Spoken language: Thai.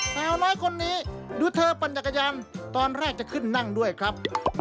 สาวน้อยคนนี้ดูเธอปั่นจักรยานตอนแรกจะขึ้นนั่งด้วยครับ